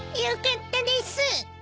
よかったです。